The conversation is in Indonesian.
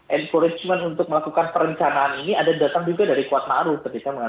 encouragement untuk melakukan perencanaan ini ada datang juga dari kuat ma'ruf